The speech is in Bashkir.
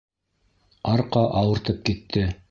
Арҡа ауыртып китте!